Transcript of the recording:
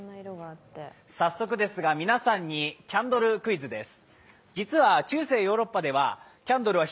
早速ですが皆さんにキャンドルクイズです。